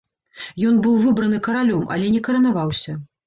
Ён быў выбраны каралём, але не каранаваўся.